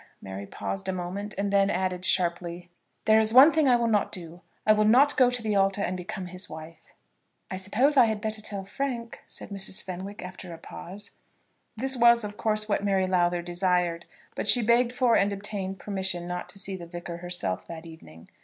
Mary paused a moment, and then added, sharply, "There is one thing I will not do; I will not go to the altar and become his wife." "I suppose I had better tell Frank," said Mrs. Fenwick, after another pause. This was, of course, what Mary Lowther desired, but she begged for and obtained permission not to see the Vicar herself that evening.